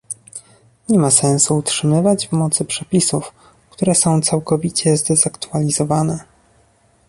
Nie ma sensu utrzymywać w mocy przepisów, które są całkowicie zdezaktualizowane